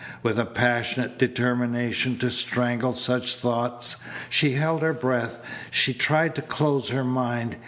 With a passionate determination to strangle such thoughts she held her breath. She tried to close her mind.